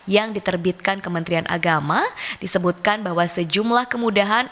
yang diterbitkan kementerian agama disebutkan bahwa sejumlah kemudahan